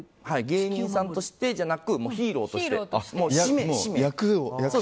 芸人さんとしてじゃなくヒーローとして。